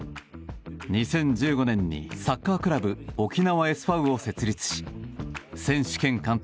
２０１５年にサッカークラブ沖縄ＳＶを設立し選手兼監督